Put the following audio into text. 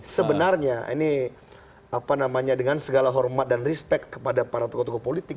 sebenarnya ini apa namanya dengan segala hormat dan respect kepada para tokoh tokoh politik